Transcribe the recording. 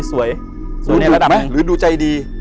ดูดุไหมหรือดูใจดี